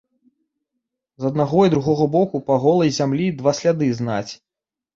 З аднаго й другога боку па голай зямлі два сляды знаць.